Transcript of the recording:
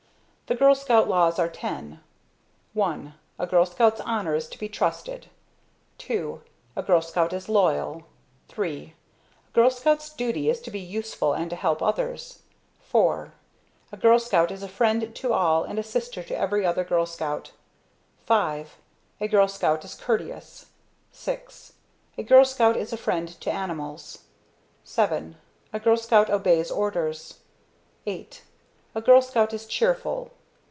The Girl Scouts Laws are ten: I A Girl Scout's Honor is to be trusted. II A Girl Scout is loyal. III A Girl Scout's Duty is to be useful and to help others. IV A Girl Scout is a friend to all, and a sister to every other Girl Scout. V A Girl Scout is Courteous. VI A Girl Scout is a friend to Animals. VII A Girl Scout obeys Orders. VIII A Girl Scout is Cheerful.